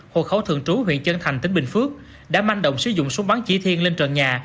hồ khẩu thường trú huyện trân thành tỉnh bình phước đã manh đồng sử dụng súng bắn chỉ thiên lên trần nhà